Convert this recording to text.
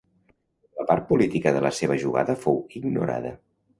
Però la part política de la seva jugada fou ignorada.